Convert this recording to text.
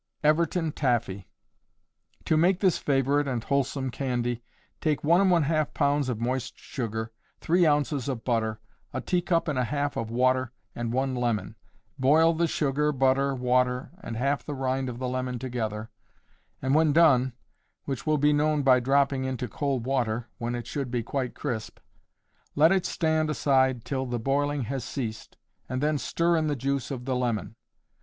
Everton Taffee. To make this favorite and wholesome candy, take 1½ pounds of moist sugar, 3 ounces of butter, a teacup and a half of water and one lemon. Boil the sugar, butter, water, and half the rind of the lemon together, and when done which will be known by dropping into cold water, when it should be quite crisp let it stand aside till the boiling has ceased, and then stir in the juice of the lemon.